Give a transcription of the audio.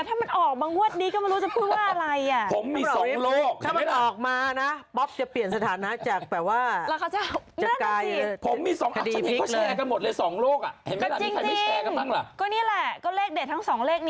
สองโลกผมมีสองโลก